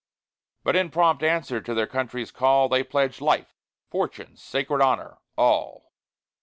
But in prompt answer to their country's call, They pledged life, fortune, sacred honor all!